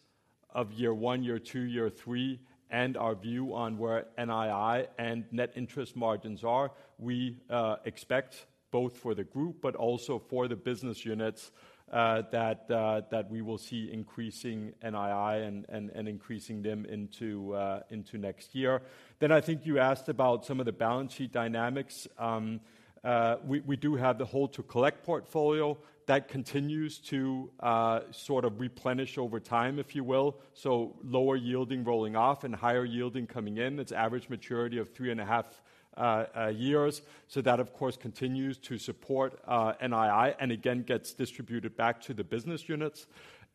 Speaker 2: of year 1, year 2, year 3, and our view on where NII and net interest margins are, we expect both for the group but also for the business units that we will see increasing NII and increasing them into next year. Then I think you asked about some of the balance sheet dynamics. We do have the hold-to-collect portfolio that continues to sort of replenish over time, if you will. So lower yielding rolling off and higher yielding coming in. It's average maturity of 3.5 years. So that, of course, continues to support NII, and again, gets distributed back to the business units.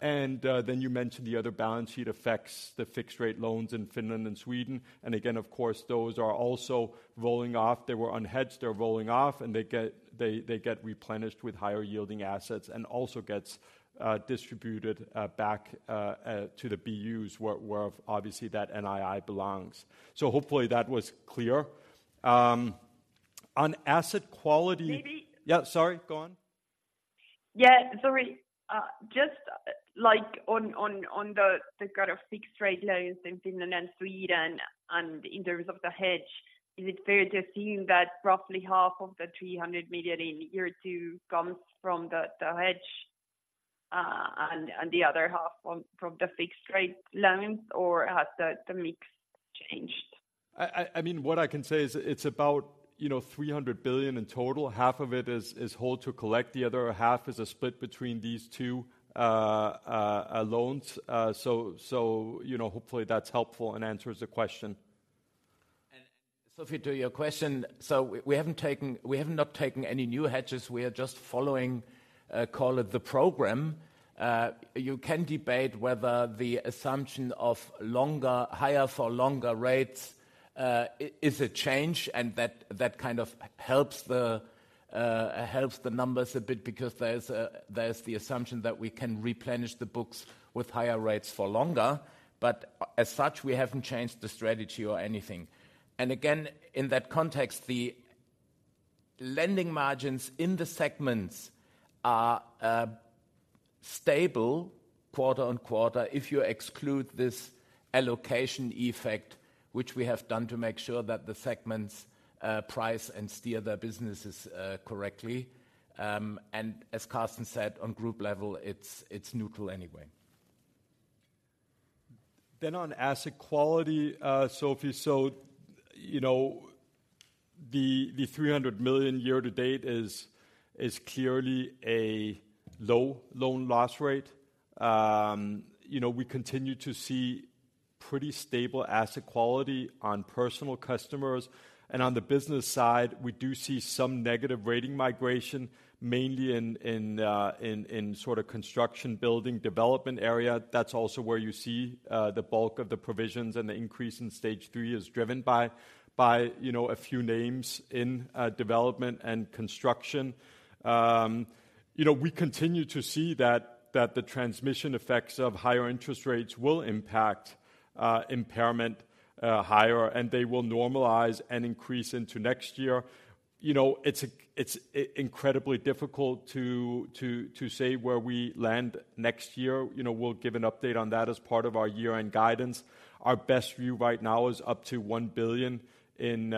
Speaker 2: Then you mentioned the other balance sheet affects the fixed-rate loans in Finland and Sweden. And again, of course, those are also rolling off. They were unhedged, they're rolling off, and they get replenished with higher-yielding assets and also gets distributed back to the BUs, where obviously that NII belongs. So hopefully that was clear. On asset quality-
Speaker 6: Maybe-
Speaker 2: Yeah, sorry. Go on.
Speaker 6: Yeah, sorry. Just like on the kind of fixed rate loans in Finland and Sweden and in terms of the hedge, is it fair to assume that roughly half of the 300 million in year two comes from the hedge and the other half from the fixed rate loans, or has the mix changed?
Speaker 2: I mean, what I can say is it's about, you know, 300 billion in total. Half of it is hold to collect, the other half is a split between these two loans. So, you know, hopefully, that's helpful and answers the question.
Speaker 3: Sofie, to your question, we have not taken any new hedges. We are just following, call it the program. You can debate whether the assumption of longer higher for longer rates is a change, and that helps the numbers a bit because there's the assumption that we can replenish the books with higher rates for longer, but as such, we haven't changed the strategy or anything. And again, in that context, the lending margins in the segments are stable quarter-over-quarter if you exclude this allocation effect, which we have done to make sure that the segments price and steer their businesses correctly. And as Carsten said, on group level, it's neutral anyway.
Speaker 2: On asset quality, Sophie, so, you know, the 300 million year to date is clearly a low loan loss rate. You know, we continue to see pretty stable asset quality on personal customers. On the business side, we do see some negative rating migration, mainly in sort of construction, building, development area. That's also where you see the bulk of the provisions, and the increase in stage three is driven by, you know, a few names in development and construction. You know, we continue to see that the transmission effects of higher interest rates will impact impairment higher, and they will normalize and increase into next year. You know, it's incredibly difficult to say where we land next year. You know, we'll give an update on that as part of our year-end guidance. Our best view right now is up to 1 billion in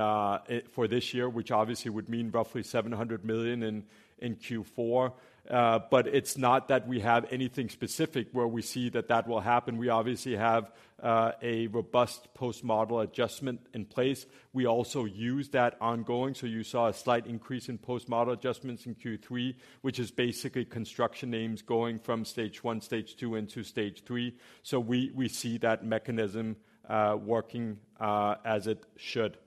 Speaker 2: for this year, which obviously would mean roughly 700 million in in Q4. But it's not that we have anything specific where we see that that will happen. We obviously have a robust post-model adjustment in place. We also use that ongoing, so you saw a slight increase in post-model adjustments in Q3, which is basically construction names going from stage one, stage two, into stage three. So we see that mechanism working as it should.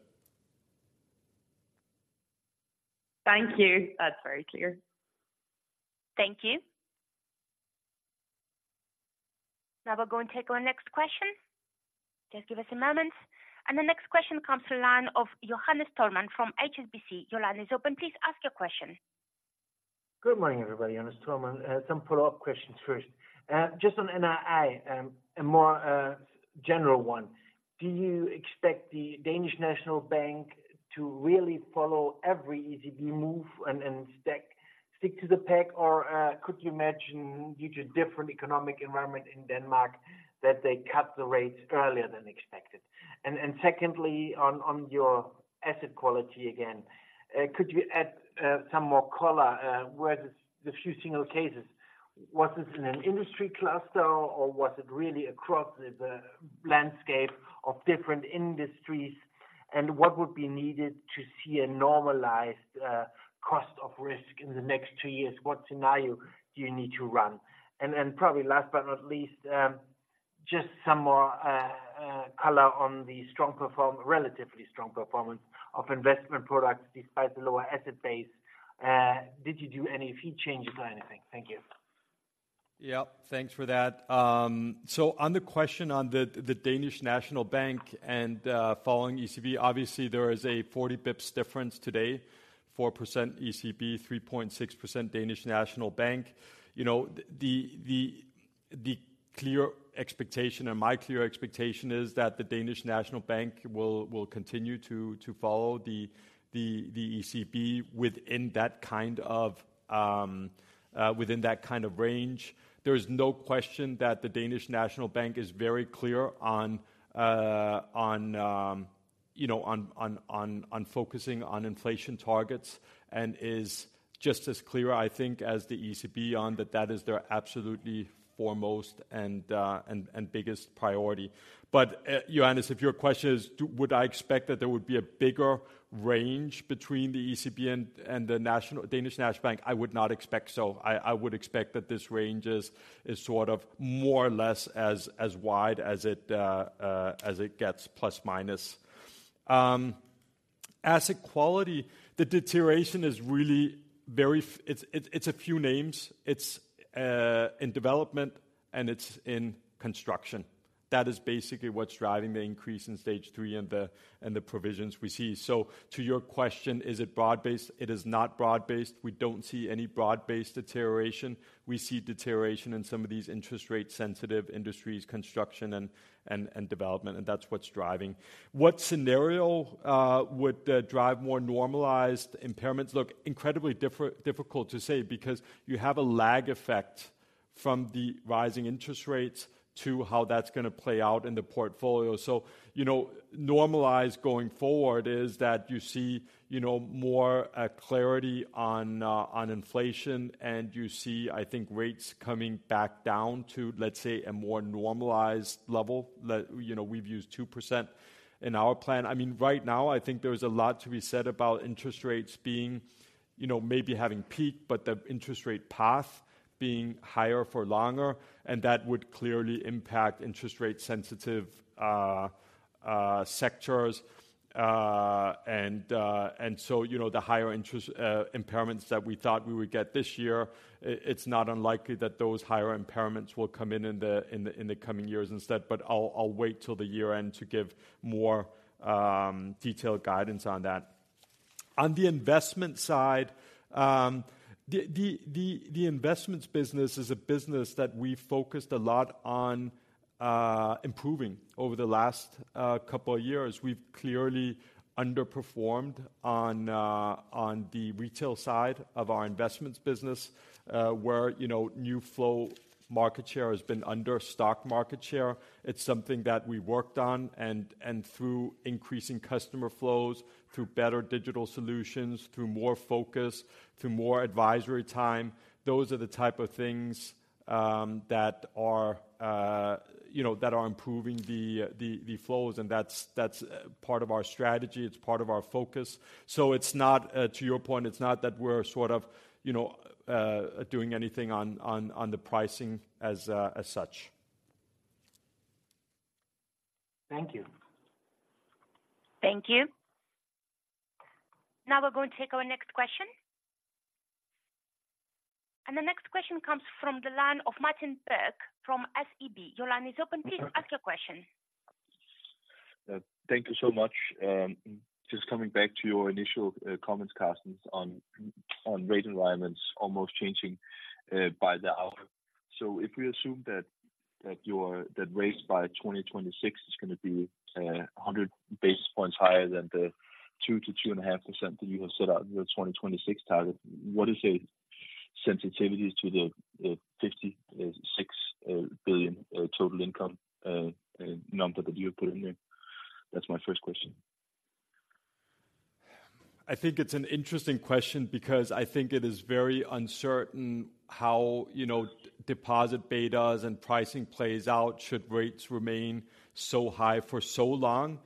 Speaker 6: Thank you. That's very clear.
Speaker 4: Thank you. Now we'll go and take our next question. Just give us a moment. The next question comes to the line of Johannes Thomsen from HSBC. Your line is open. Please ask your question.
Speaker 7: Good morning, everybody, Johannes Thomsen. Some follow-up questions first. Just on NII, a more general one. Do you expect the Danish National Bank to really follow every ECB move and stick to the pack? Or could you imagine due to different economic environment in Denmark, that they cut the rates earlier than expected? And secondly, on your asset quality again, could you add some more color where the few single cases, was this in an industry cluster, or was it really across the landscape of different industries? And what would be needed to see a normalized cost of risk in the next two years? What scenario do you need to run? And probably last but not least, just some more color on the relatively strong performance of investment products despite the lower asset base. Did you do any fee changes or anything? Thank you.
Speaker 2: Yeah, thanks for that. So on the question on the Danish National Bank and following ECB, obviously there is a 40 basis points difference today, 4% ECB, 3.6% Danish National Bank. You know, the clear expectation, or my clear expectation, is that the Danish National Bank will continue to follow the ECB within that kind of range. There is no question that the Danish National Bank is very clear on, you know, on focusing on inflation targets, and is just as clear, I think, as the ECB on that, that is their absolutely foremost and biggest priority. But, Johannes, if your question is would I expect that there would be a bigger range between the ECB and the Danish National Bank? I would not expect so. I would expect that this range is sort of more or less as wide as it gets, plus, minus. Asset quality, the deterioration is really very it's a few names. It's in development, and it's in construction. That is basically what's driving the increase in stage three and the provisions we see. So to your question, is it broad-based? It is not broad-based. We don't see any broad-based deterioration. We see deterioration in some of these interest rate-sensitive industries, construction and development, and that's what's driving. What scenario would drive more normalized impairments? Look, incredibly difficult to say because you have a lag effect from the rising interest rates to how that's gonna play out in the portfolio. So, you know, normalized going forward is that you see, you know, more clarity on on inflation, and you see, I think, rates coming back down to, let's say, a more normalized level. You know, we've used 2% in our plan. I mean, right now, I think there is a lot to be said about interest rates being, you know, maybe having peaked, but the interest rate path being higher for longer, and that would clearly impact interest rate-sensitive sectors. You know, the higher interest impairments that we thought we would get this year, it's not unlikely that those higher impairments will come in in the coming years instead, but I'll wait till the year end to give more detailed guidance on that. On the investment side, the investments business is a business that we've focused a lot on improving over the last couple of years. We've clearly underperformed on the retail side of our investments business, where, you know, new flow market share has been under stock market share. It's something that we worked on, and through increasing customer flows, through better digital solutions, through more focus, through more advisory time, those are the type of things that are, you know, that are improving the flows, and that's part of our strategy, it's part of our focus. So it's not, to your point, it's not that we're sort of, you know, doing anything on the pricing as such....
Speaker 8: Thank you.
Speaker 4: Thank you. Now we're going to take our next question. And the next question comes from the line of Martin Birke from SEB. Your line is open. Please ask your question.
Speaker 9: Thank you so much. Just coming back to your initial comments, Carsten, on rate environments almost changing by the hour. If we assume that your rates by 2026 is gonna be 100 basis points higher than the 2%-2.5% that you have set out in your 2026 target, what is the sensitivities to the 56 billion total income number that you have put in there? That's my first question.
Speaker 2: I think it's an interesting question because I think it is very uncertain how, you know, deposit betas and pricing plays out, should rates remain so high for so long.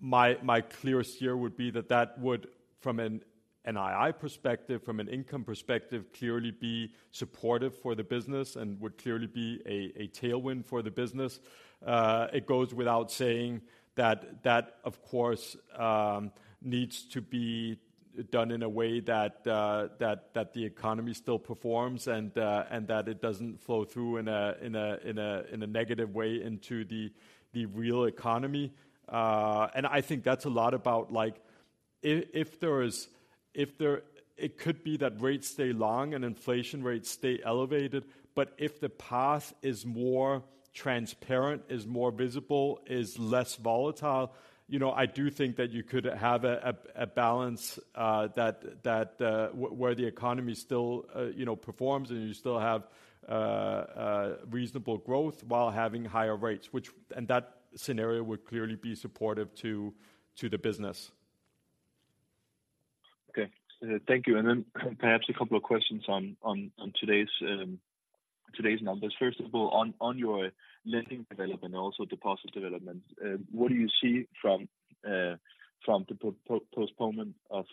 Speaker 2: My clearest view would be that that would, from an NII perspective, from an income perspective, clearly be supportive for the business and would clearly be a tailwind for the business. It goes without saying that that, of course, needs to be done in a way that the economy still performs and that it doesn't flow through in a negative way into the real economy. And I think that's a lot about like if there... It could be that rates stay long and inflation rates stay elevated, but if the path is more transparent, is more visible, is less volatile, you know, I do think that you could have a balance, that where the economy still, you know, performs, and you still have reasonable growth while having higher rates, which and that scenario would clearly be supportive to the business.
Speaker 9: Okay. Thank you. And then perhaps a couple of questions on today's numbers. First of all, on your lending development, also deposit development, what do you see from the postponement of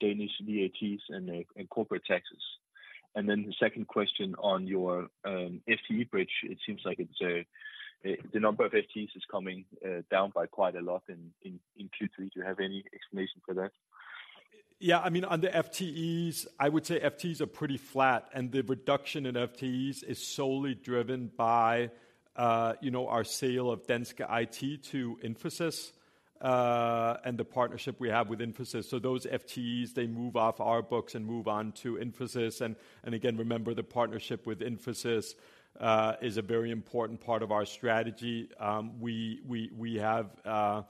Speaker 9: Danish VATs and corporate taxes? And then the second question on your FTE bridge, it seems like the number of FTEs is coming down by quite a lot in Q3. Do you have any explanation for that?
Speaker 2: Yeah, I mean, on the FTEs, I would say FTEs are pretty flat, and the reduction in FTEs is solely driven by, you know, our sale of Danske IT to Infosys, and the partnership we have with Infosys. So those FTEs, they move off our books and move on to Infosys. And again, remember, the partnership with Infosys is a very important part of our strategy. We have a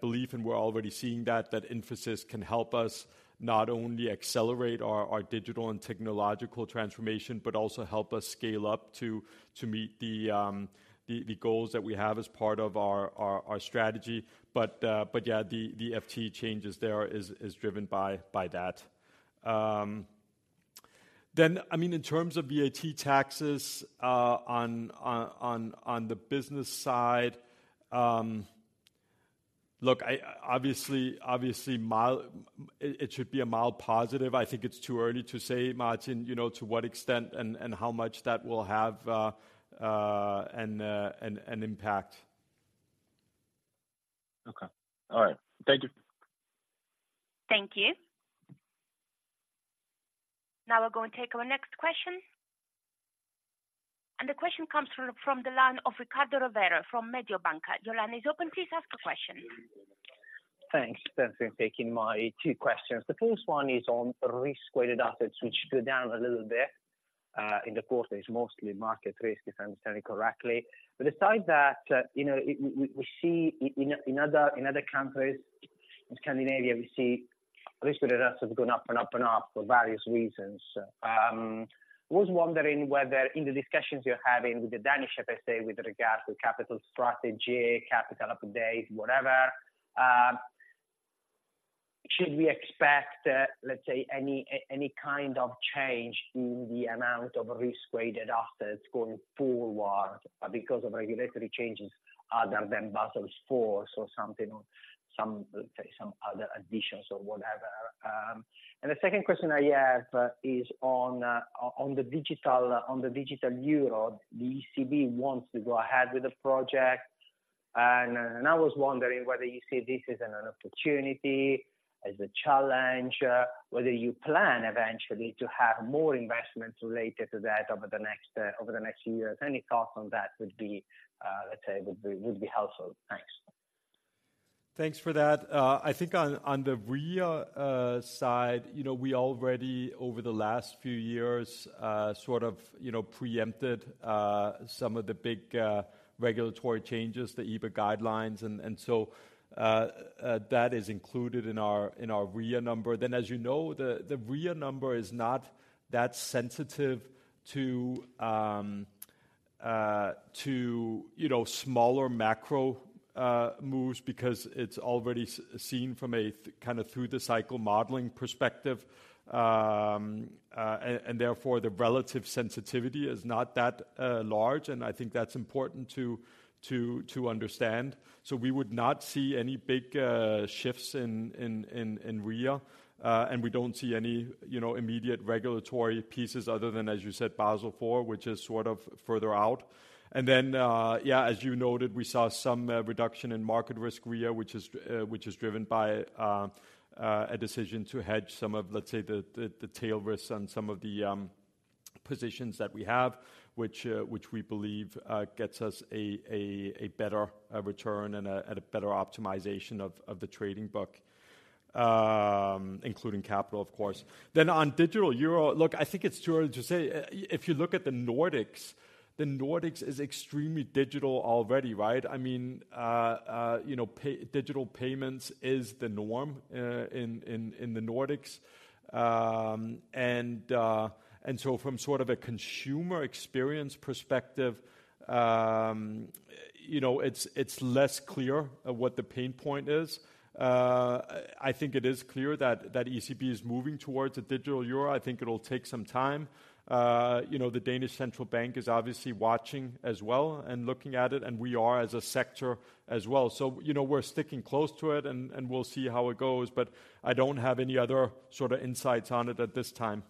Speaker 2: belief, and we're already seeing that Infosys can help us not only accelerate our digital and technological transformation, but also help us scale up to meet the goals that we have as part of our strategy. But yeah, the FTE changes there is driven by that. Then, I mean, in terms of VAT taxes, on the business side, look, it should be a mild positive. I think it's too early to say, Martin, you know, to what extent and how much that will have an impact.
Speaker 9: Okay. All right. Thank you.
Speaker 4: Thank you. Now we're going to take our next question. The question comes from, from the line of Riccardo Rovere from Mediobanca. Your line is open. Please ask your question.
Speaker 8: Thanks for taking my two questions. The first one is on risk-weighted assets, which go down a little bit in the quarter, is mostly market risk, if I'm understanding correctly. But aside that, you know, we see in other countries, in Scandinavia, we see risk-weighted assets going up and up and up for various reasons. I was wondering whether in the discussions you're having with the Danish FSA with regards to capital strategy, capital updates, whatever, should we expect, let's say, any kind of change in the amount of risk-weighted assets going forward, because of regulatory changes other than Basel IV or something or some, let's say, some other additions or whatever? And the second question I have is on the digital euro. The ECB wants to go ahead with the project, and I was wondering whether you see this as an opportunity, as a challenge, whether you plan eventually to have more investments related to that over the next few years. Any thoughts on that would be, let's say, helpful. Thanks.
Speaker 2: Thanks for that. I think on the REA side, you know, we already, over the last few years, sort of, you know, preempted some of the big regulatory changes, the EBA guidelines, and so that is included in our REA number. Then, as you know, the REA number is not that sensitive to, you know, smaller macro moves because it's already seen from a through-the-cycle modeling perspective. And therefore, the relative sensitivity is not that large, and I think that's important to understand. So we would not see any big shifts in REA, and we don't see any, you know, immediate regulatory pieces other than, as you said, Basel IV, which is sort of further out. And then, yeah, as you noted, we saw some reduction in market risk REA, which is driven by a decision to hedge some of, let's say, the tail risks on some of the positions that we have, which we believe gets us a better return and a better optimization of the trading book, including capital, of course. Then on digital euro, look, I think it's too early to say. If you look at the Nordics, the Nordics is extremely digital already, right? I mean, you know, digital payments is the norm in the Nordics. And so from sort of a consumer experience perspective, you know, it's less clear of what the pain point is. I think it is clear that ECB is moving towards a digital euro. I think it'll take some time. You know, the Danish Central Bank is obviously watching as well and looking at it, and we are as a sector as well. So, you know, we're sticking close to it and we'll see how it goes, but I don't have any other sort of insights on it at this time.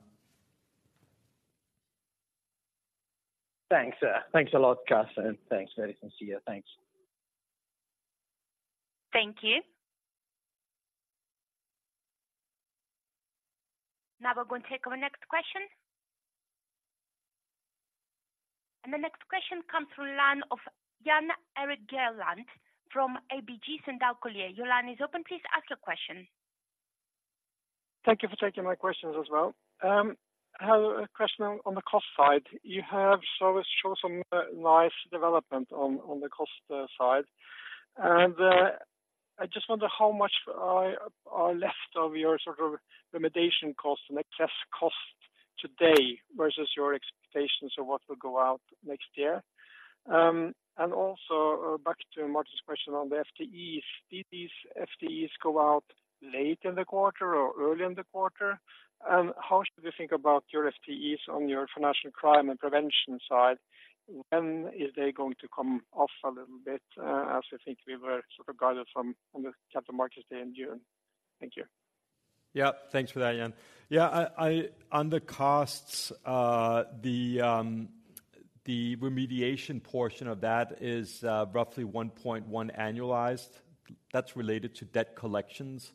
Speaker 10: Thanks, thanks a lot, Carsten, and thanks very sincere. Thanks.
Speaker 4: Thank you. Now we're going to take our next question. The next question comes from the line of Jan Erik Gjerland from ABG Sundal Collier. Your line is open, please ask your question.
Speaker 11: Thank you for taking my questions as well. I have a question on the cost side. You have always shown some nice development on the cost side, and I just wonder how much are left of your sort of remediation costs and excess cost today versus your expectations of what will go out next year? Also, back to Martin's question on the FTEs. Did these FTEs go out late in the quarter or early in the quarter? And how should we think about your FTEs on your financial crime and prevention side? When is they going to come off a little bit, as I think we were sort of guided from on the Capital Markets Day in June? Thank you.
Speaker 2: Yeah, thanks for that, Jan. Yeah, on the costs, the remediation portion of that is roughly 1.1 billion annualized. That's related to debt collections,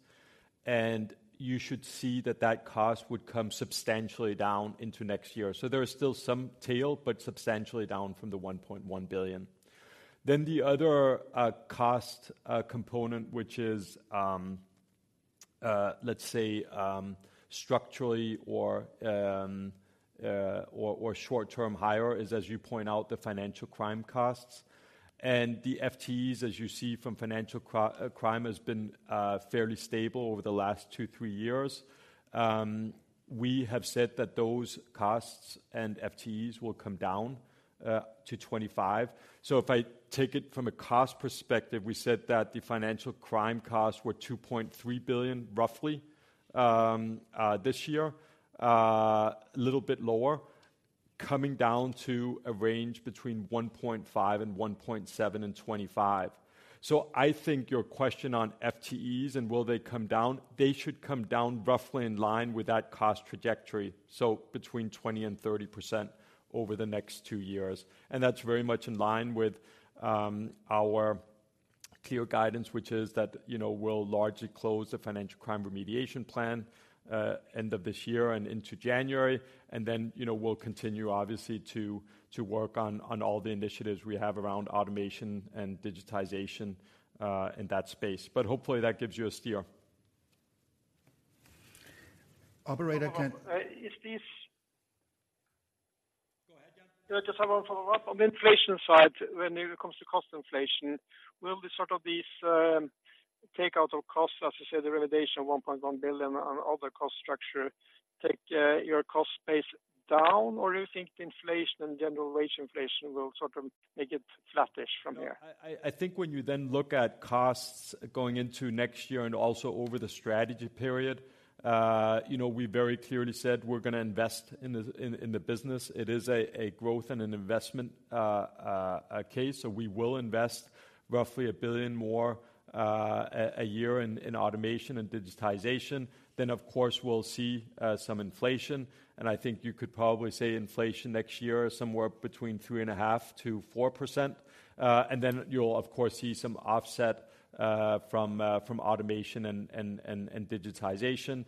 Speaker 2: and you should see that that cost would come substantially down into next year. So there is still some tail, but substantially down from the 1.1 billion. Then the other cost component, which is let's say structurally or short term higher, is, as you point out, the financial crime costs. And the FTEs, as you see from financial crime, has been fairly stable over the last 2-3 years. We have said that those costs and FTEs will come down to 25. So if I take it from a cost perspective, we said that the financial crime costs were 2.3 billion, roughly, this year. A little bit lower, coming down to a range between 1.5 billion and 1.7 billion in 2025. So I think your question on FTEs and will they come down, they should come down roughly in line with that cost trajectory, so between 20% and 30% over the next two years. And that's very much in line with, our clear guidance, which is that, you know, we'll largely close the financial crime remediation plan, end of this year and into January. And then, you know, we'll continue, obviously, to, to work on, on all the initiatives we have around automation and digitization, in that space. But hopefully that gives you a steer.
Speaker 1: Operator, can-
Speaker 11: Is this-
Speaker 2: Go ahead, Jan.
Speaker 11: Yeah, just have one follow-up. On the inflation side, when it comes to cost inflation, will the sort of these take out of costs, as you said, the remediation of 1.1 billion and other cost structure, take your cost base down? Or do you think inflation and general wage inflation will sort of make it flattish from here?
Speaker 2: I think when you then look at costs going into next year and also over the strategy period, you know, we very clearly said we're gonna invest in the business. It is a growth and an investment case. So we will invest roughly 1 billion more a year in automation and digitization. Then, of course, we'll see some inflation, and I think you could probably say inflation next year is somewhere between 3.5%-4%. And then you'll of course see some offset from automation and digitization.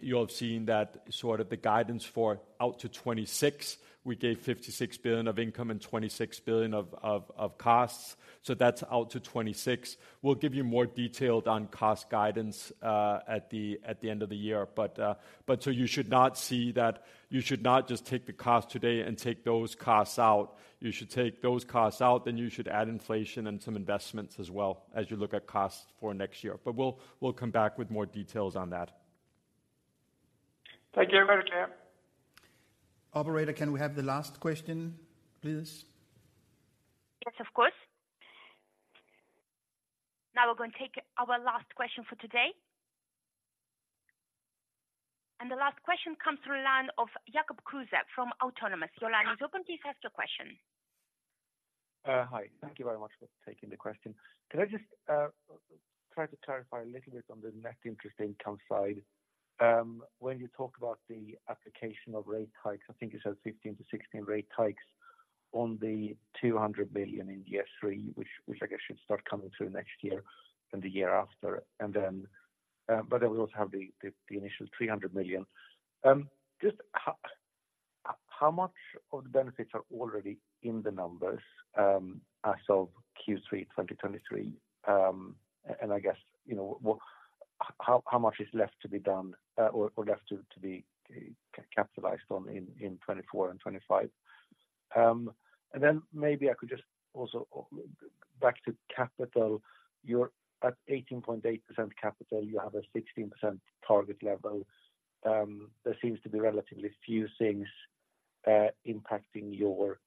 Speaker 2: You'll have seen that sort of the guidance for out to 2026. We gave 56 billion of income and 26 billion of costs, so that's out to 2026. We'll give you more detail on cost guidance at the end of the year. But you should not see that. You should not just take the cost today and take those costs out. You should take those costs out, then you should add inflation and some investments as well, as you look at costs for next year. But we'll come back with more details on that.
Speaker 11: Thank you very much.
Speaker 1: Operator, can we have the last question, please?
Speaker 4: Yes, of course. Now we're going to take our last question for today. The last question comes from the line of Jakob Kruse from Autonomous. Your line is open, please ask your question.
Speaker 10: Hi. Thank you very much for taking the question. Can I just try to clarify a little bit on the net interest income side? When you talk about the application of rate hikes, I think you said 15-16 rate hikes on the 200 billion in year three, which I guess should start coming through next year and the year after, and then... But then we also have the initial 300 million. Just how much of the benefits are already in the numbers as of Q3 2023? And I guess, you know, what, how much is left to be done or left to be capitalized on in 2024 and 2025? And then maybe I could just also back to capital, you're at 18.8% capital, you have a 16% target level. There seems to be relatively few things impacting your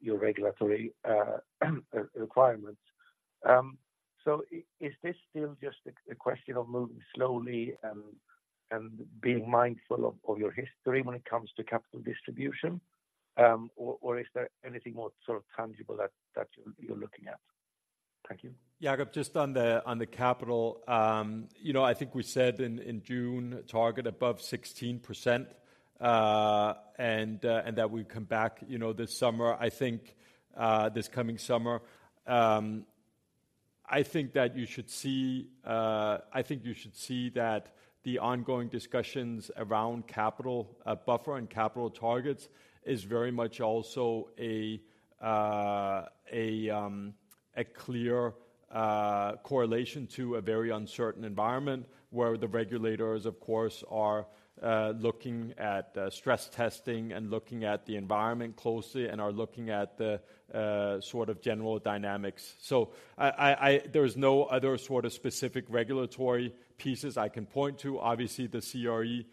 Speaker 10: your regulatory requirements. So is this still just a question of moving slowly and being mindful of your history when it comes to capital distribution? Or is there anything more sort of tangible that you're looking at? Thank you.
Speaker 2: Jakob, just on the capital, you know, I think we said in June, target above 16%, and that we come back, you know, this summer. I think this coming summer. I think you should see that the ongoing discussions around capital buffer and capital targets is very much also a clear correlation to a very uncertain environment, where the regulators, of course, are looking at stress testing and looking at the environment closely, and are looking at the sort of general dynamics. So there is no other sort of specific regulatory pieces I can point to. Obviously, the CRE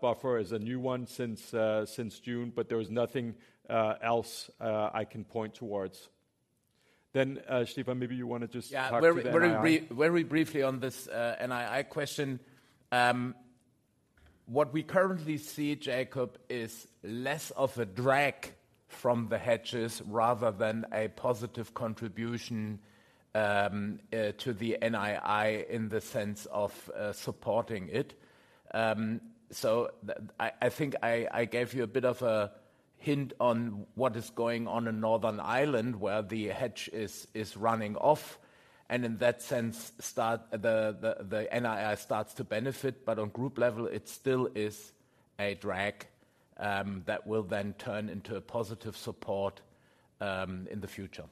Speaker 2: buffer is a new one since June, but there is nothing else I can point towards. Then, Stephan, maybe you wanna just talk to the NII.
Speaker 3: Yeah. Very briefly on this NII question. What we currently see, Jakob, is less of a drag from the hedges rather than a positive contribution to the NII in the sense of supporting it. So I think I gave you a bit of a hint on what is going on in Northern Ireland, where the hedge is running off, and in that sense, the NII starts to benefit. But on group level, it still is a drag that will then turn into a positive support in the future.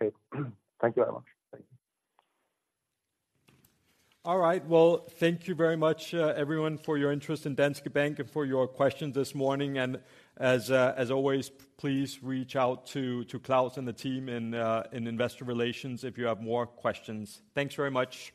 Speaker 10: Okay. Thank you very much. Thank you.
Speaker 2: All right. Well, thank you very much, everyone, for your interest in Danske Bank and for your questions this morning. As always, please reach out to Claus and the team in Investor Relations if you have more questions. Thanks very much!